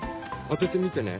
当ててみてね。